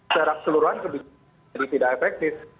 secara keseluruhan kebijakan jadi tidak efektif